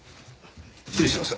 失礼します。